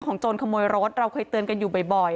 โจรขโมยรถเราเคยเตือนกันอยู่บ่อย